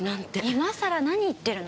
今さら何言ってるの。